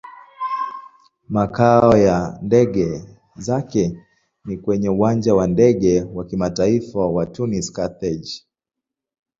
Makao ya ndege zake ni kwenye Uwanja wa Ndege wa Kimataifa wa Tunis-Carthage.